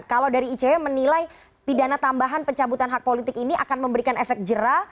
kalau dari icw menilai pidana tambahan pencabutan hak politik ini akan memberikan efek jerah